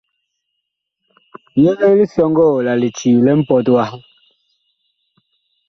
Yegee lisɔŋgɔɔ la licii li mpɔt waha.